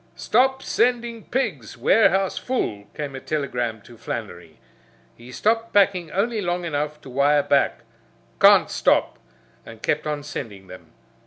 "Stop sending pigs. Warehouse full," came a telegram to Flannery. He stopped packing only long enough to wire back, "Can't stop," and kept on sending them.